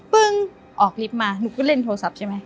ปึ้งออกลิฟต์มาหนูก็เล่นโทรศัพท์ใช่ไหม